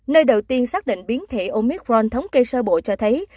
nơi đầu tiên xác định biến thể omicron thống kê sơ bộ cho thấy